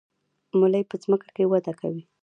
ملی په ځمکه کې وده کوي